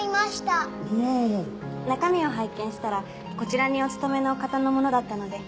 中身を拝見したらこちらにお勤めの方のものだったので。